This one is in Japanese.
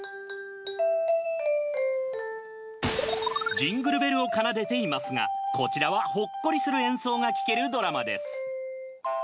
『ジングルベル』を奏でていますがこちらはほっこりする演奏が聴けるドラマです。